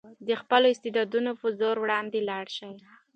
د خپل استعداد په زور وړاندې لاړ شئ.